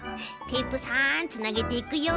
テープさんつなげていくよ。